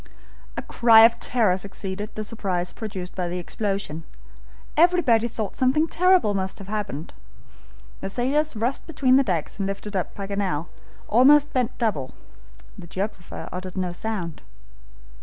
A cry of terror succeeded the surprise produced by the explosion. Everybody thought something terrible must have happened. The sailors rushed between decks and lifted up Paganel, almost bent double. The geographer uttered no sound.